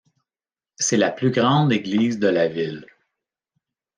C'est la plus grande église de la ville.